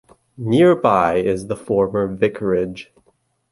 Nearby is the former vicarage.